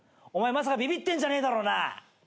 お前まさかビビってんじゃねえだろうな。